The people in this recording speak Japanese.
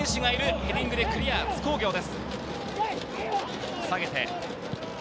ヘディングでクリア、津工業です。